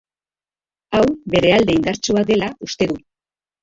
Hau bere alde indartsua dela uste du.